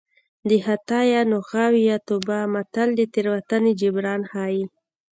د خطا یا ناغه وي یا توبه متل د تېروتنې جبران ښيي